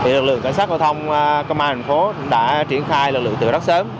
lực lượng cảnh sát hợp thông công an thành phố đã triển khai lực lượng từ rất sớm